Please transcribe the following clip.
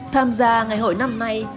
tham gia ngày hội năm nay